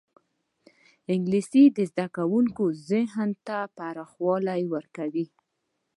انګلیسي د زدهکوونکو ذهن ته پراخوالی ورکوي